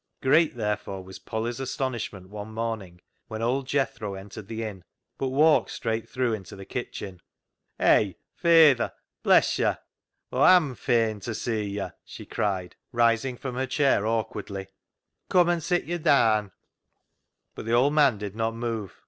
Great, therefore, was Polly's astonishment one morning, when old Jethro entered the inn, but walked straight through into the kitchen. " Hay, fayther, bless yo' ! Aw am fain to see yo'," she cried, rising from her chair awkwardly ;" come an' sit yo' daan." But the old man did not move.